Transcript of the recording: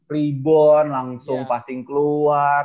rebound langsung passing keluar